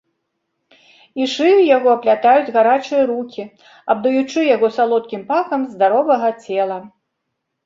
І шыю яго аплятаюць гарачыя рукі, абдаючы яго салодкім пахам здаровага цела.